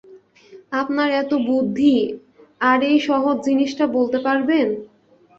আপনার এত বুদ্ধি, আর এই সহজ জিনিসটা বলতে পারবেন।